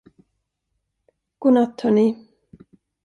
God natt, hörni.